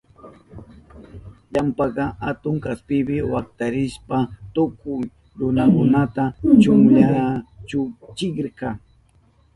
Ilampaka atun kaspipi waktarishpan tukuy runakunata chukchuchirka.